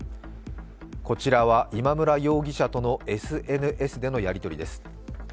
こちらは、今村容疑者とのＳＮＳでのやりとりです。